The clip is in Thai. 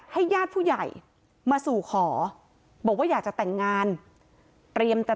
ญาติผู้ใหญ่มาสู่ขอบอกว่าอยากจะแต่งงานเตรียมจะ